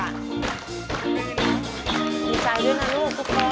ดีใจด้วยนะลูกทุกคน